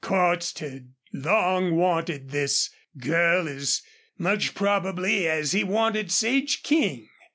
Cordts had long wanted this girl as much probably as he wanted Sage King.